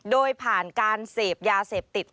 โดยผ่านการเสพยาเสพติด